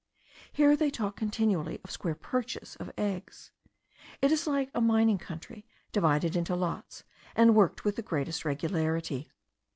Here they talk continually of square perches of eggs; it is like a mining country, divided into lots, and worked with the greatest regularity.